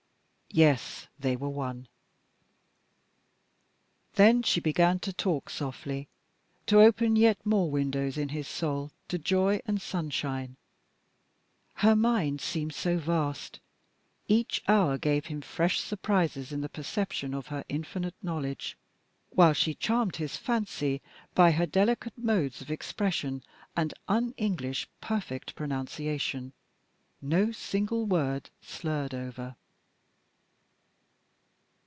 Yes, they were One. Then she began to talk softly, to open yet more windows in his soul to joy and sunshine. Her mind seemed so vast, each hour gave him fresh surprises in the perception of her infinite knowledge, while she charmed his fancy by her delicate modes of expression and un English perfect pronunciation, no single word slurred over.